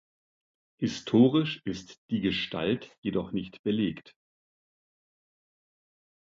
Historisch ist die Gestalt jedoch nicht belegt.